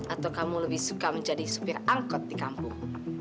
atau kamu lebih suka menjadi supir angkot di kampung